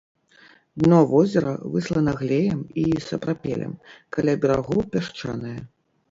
Дно возера выслана глеем і сапрапелем, каля берагоў пясчанае.